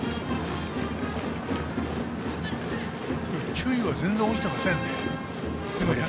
球威は全然落ちてませんね。